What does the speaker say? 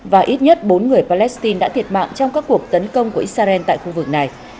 và ít nhất bốn người palestine đã thiệt mạng trong các cuộc tấn công của israel tại khu vực này